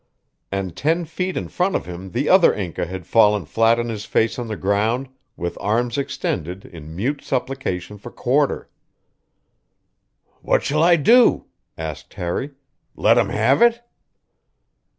And ten feet in front of him the other Inca had fallen flat on his face on the ground with arms extended in mute supplication for quarter. "What shall I do?" asked Harry. "Let him have it?"